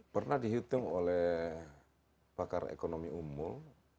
pernah dihitung oleh pakar ekonomi umum